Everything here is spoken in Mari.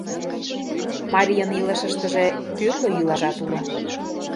Марийын илыштыже тӱрлӧ йӱлажат уло.